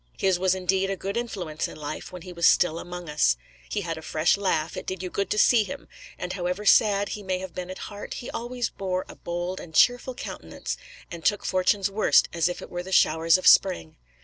His was indeed a good influence in life while he was still among us; he had a fresh laugh, it did you good to see him; and however sad he may have been at heart, he always bore a bold and cheerful countenance, and took fortune's worst as it were the showers of spring.